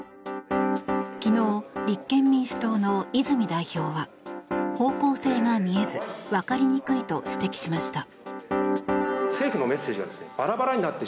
昨日、立憲民主党の泉代表は方向性が見えず分かりにくいと指摘しました。